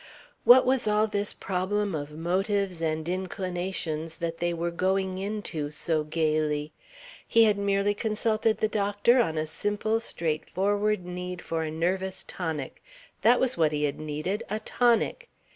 What was all this problem of motives and inclinations that they were "going into" so gaily? He had merely consulted the doctor on a simple, straightforward need for a nervous tonic that was what he had needed a tonic.